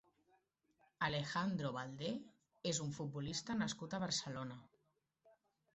Alejandro Baldé és un futbolista nascut a Barcelona.